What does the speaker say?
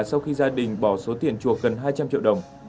sau khi gia đình bỏ số tiền chuộc gần hai trăm linh triệu đồng